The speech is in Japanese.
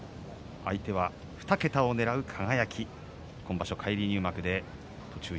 相手は２桁をねらう輝。